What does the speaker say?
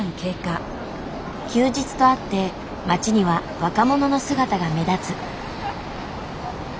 休日とあって街には若者の姿が目立つ。